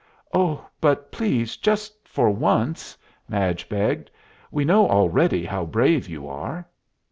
"Oh, but please, just for once," Madge begged. "We know already how brave you are."